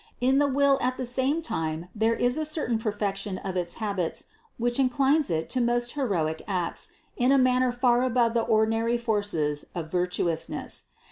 In the will at the same time there is a certain perfection of its habits, which inclines it to most heroic acts in a manner far above the ordinary forces of virtuousness.